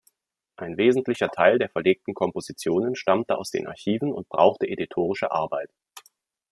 Ein wesentlicher Teil der verlegten Kompositionen stammte aus den Archiven und brauchte editorische Arbeit.